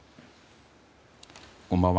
こんばんは。